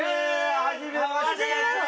はじめまして！